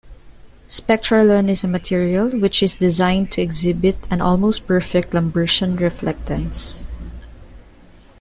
Spectralon is a material which is designed to exhibit an almost perfect Lambertian reflectance.